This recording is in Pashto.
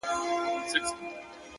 • ته لا اوس هم ښکار کوې د مظلومانو ,